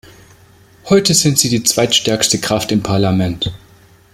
Heute sind sie die zweitstärkste Kraft im Parlament.